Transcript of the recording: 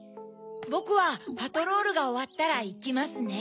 ぼくはパトロールがおわったらいきますね。